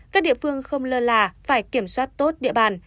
các địa phương không lơ là phải kiểm soát tốt địa bàn